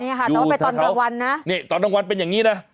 เนี่ยค่ะต้องไปตอนดังวันนะนี่ตอนดังวันเป็นอย่างงี้นะ